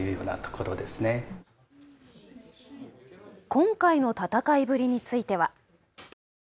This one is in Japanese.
今回の戦いぶりについては。